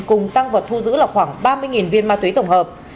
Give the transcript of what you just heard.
cùng tăng vật thu giữ là khoảng ba mươi viên ma túy tổng hợp